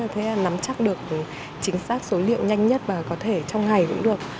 thế là nắm chắc được chính xác số liệu nhanh nhất và có thể trong ngày cũng được